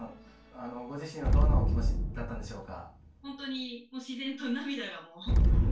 ご自身はどんなお気持ちだったんでしょうか？